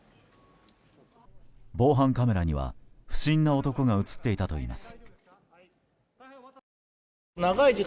防犯カメラには不審な男が映っていたといいます。